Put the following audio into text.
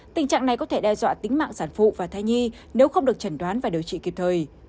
tình trạng này có thể đe dọa tính mạng sản phụ và thai nhi nếu không được chẩn đoán và điều trị kịp thời